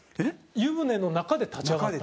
湯船の中で立ち上がった。